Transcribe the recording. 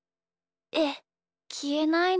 えっきえないの？